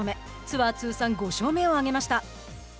ツアー通算５勝目を挙げました。